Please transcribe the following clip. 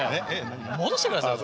もう戻してください。